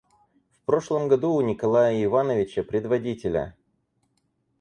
В прошлом году у Николая Ивановича, предводителя.